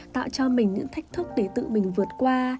tạo cho mình những thách thức để tự mình vượt qua